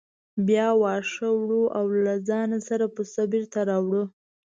بیا واښه وړو او له ځانه سره پسه بېرته راوړو.